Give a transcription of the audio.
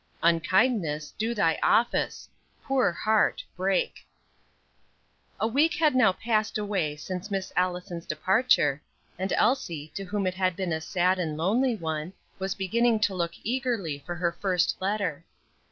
"Unkindness, do thy office; poor heart, break." A week had now passed away since Miss Allison's departure, and Elsie, to whom it had been a sad and lonely one, was beginning to look eagerly for her first letter.